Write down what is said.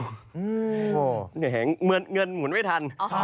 เหนื่อยเหงเหมือนเงินหมุนไม่ทัน